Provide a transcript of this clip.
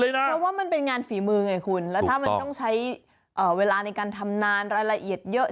เพราะว่ามันเป็นงานฝีมือไงคุณแล้วถ้ามันต้องใช้เวลาในการทำนานรายละเอียดเยอะ